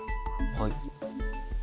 はい。